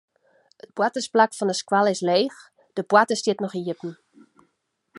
It boartersplak fan de skoalle is leech, de poarte stiet noch iepen.